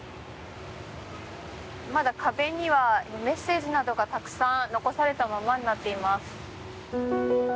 まだ壁にはメッセージなどがたくさん残されたままになっています。